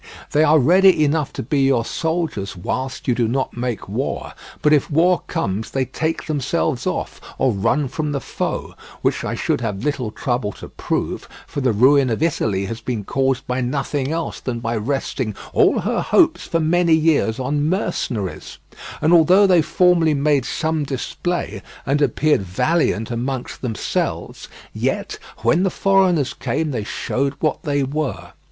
They are ready enough to be your soldiers whilst you do not make war, but if war comes they take themselves off or run from the foe; which I should have little trouble to prove, for the ruin of Italy has been caused by nothing else than by resting all her hopes for many years on mercenaries, and although they formerly made some display and appeared valiant amongst themselves, yet when the foreigners came they showed what they were.